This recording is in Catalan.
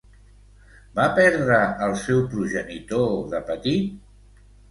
Va perdre el seu progenitor de petit?